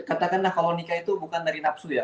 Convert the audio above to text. katakan lah kalau nikah itu bukan dari nafsu ya